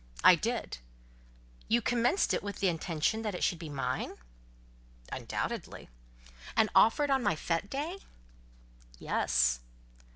"I did." "You commenced it with the intention that it should be mine?" "Undoubtedly." "And offered on my fête day?" "Yes."